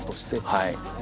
はい。